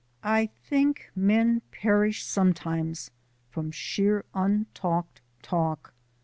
I think men perish sometimes from sheer untalked talk.